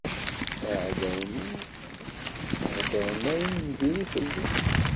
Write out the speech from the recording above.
Iɛdawen-iw heddren ayen n diri fell-i.